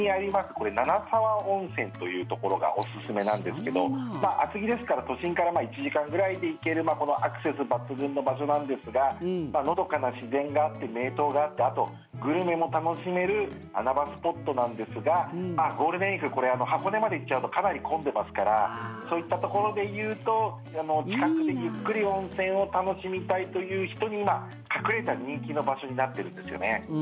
これ、七沢温泉というところがおすすめなんですけど厚木ですから都心から１時間ぐらいで行けるアクセス抜群の場所なんですがのどかな自然があって名湯があってあと、グルメも楽しめる穴場スポットなんですがゴールデンウィークこれ、箱根まで行っちゃうとかなり混んでますからそういったところで言うと近くでゆっくり温泉を楽しみたいという人に今、隠れた人気の場所になってるんですよね。